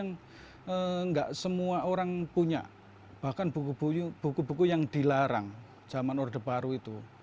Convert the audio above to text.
memang enggak semua orang punya bahkan buku buku yang dilarang zaman order baru itu